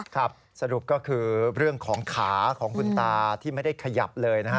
ครับสรุปก็คือเรื่องของขาของคุณตาที่ไม่ได้ขยับเลยนะฮะ